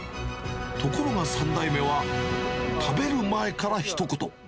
ところが３代目は、食べる前からひと言。